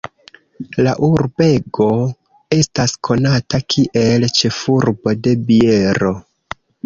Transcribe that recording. La urbego estas konata kiel "Ĉefurbo de biero".